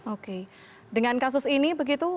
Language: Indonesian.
oke dengan kasus ini begitu